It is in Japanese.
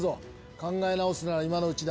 考え直すなら今のうちだ。